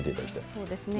そうですね。